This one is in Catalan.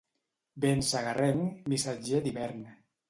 Vent segarrenc, missatger d'hivern.